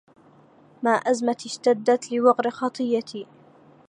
ما أزمتي اشتدت لوقر خطيتي